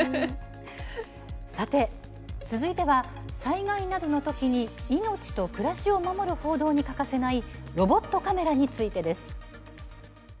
続いては災害などのときに命と暮らしを守る報道に欠かせないロボットカメラについてです。